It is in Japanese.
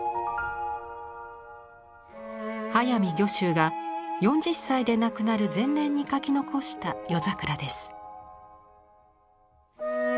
速水御舟が４０歳で亡くなる前年に描き残した夜桜です。